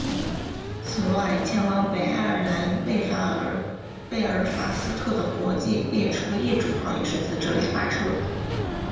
此外前往北爱尔兰贝尔法斯特的国际列车企业号也是自这里发车。